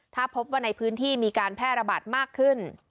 ถ้าพบว่าในพื้นที่มีการแพร่ระบาดมากขึ้น